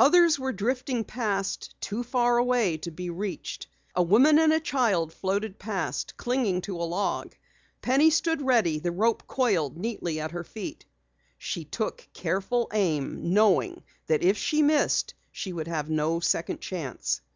Others were drifting past, too far away to be reached. A woman and a child floated past, clinging to a log. Penny stood ready, the rope coiled neatly at her feet. She took careful aim, knowing that if she missed she would have no second chance.